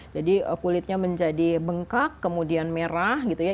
jadi kulitnya menjadi bengkak kemudian merah gitu ya